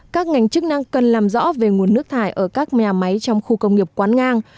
các ngành chức năng cần làm rõ về nguồn nước thải ở các nhà máy trong khu công nghiệp quán ngang